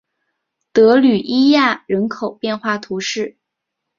德吕伊亚人口变化图示